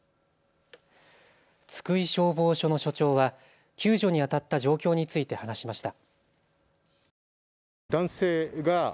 津久井消防署の署長は救助にあたった状況について話しました。